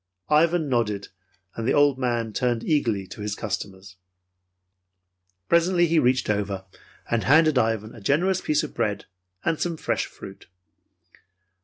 Ivan nodded, and the old man turned eagerly to his customers. Presently he reached over, and handed Ivan a generous piece of bread and some fresh fruit.